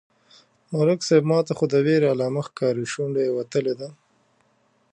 _ملک صيب! ماته خو د وېرې علامه ښکاري، شونډه يې وتلې ده.